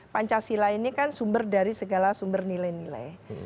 pancasila ini kan sumber dari segala sumber nilai nilai